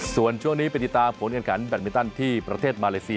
ส่วนช่วงนี้ไปติดตามผลการขันแบตมินตันที่ประเทศมาเลเซีย